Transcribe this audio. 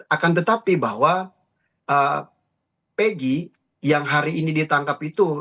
akan tetapi bahwa peggy yang hari ini ditangkap itu